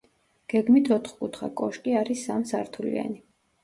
გეგმით ოთხკუთხა კოშკი არის სამ სართულიანი.